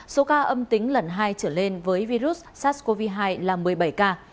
số ca âm tính lần hai trở lên với virus sars cov hai là một mươi bảy ca